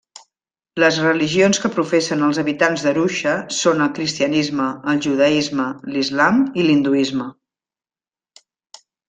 Les religions que professen els habitants d'Arusha són el cristianisme, el judaisme, l'Islam i l'hinduisme.